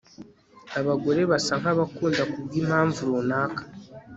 Abagore basa nkabakunda kubwimpamvu runaka